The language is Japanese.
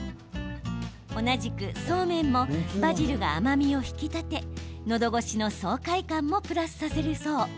同じく、そうめんもバジルが甘みを引き立てのどごしの爽快感もプラスされるそう。